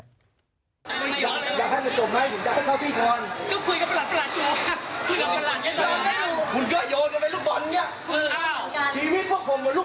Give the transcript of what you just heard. อันนี้เวลาอย่างขอบใจในคนหก